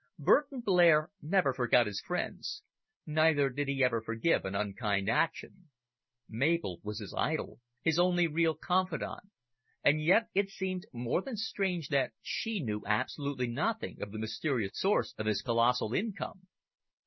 Burton Blair never forgot his friends neither did he ever forgive an unkind action. Mabel was his idol, his only real confidante, and yet it seemed more than strange that she knew absolutely nothing of the mysterious source of his colossal income.